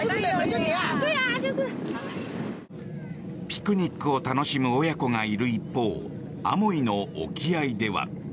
ピクニックを楽しむ親子がいる一方アモイの沖合では。